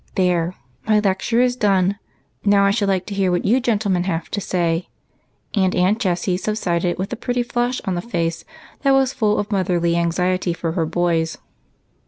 There ! my lecture is done ; now I should like to hear what you gentlemen have to say," and Aunt Jessie subsided with a pretty flush on the face that was full of motherly anxiety for her boys.